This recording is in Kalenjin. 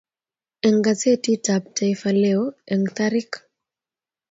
eng gazetit ab taifa leo eng tarik